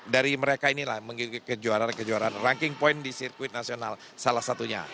dari mereka inilah menjualan kejuaran ranking point di sirkuit nasional salah satunya